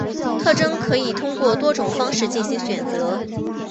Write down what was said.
特征可以通过多种方法进行选择。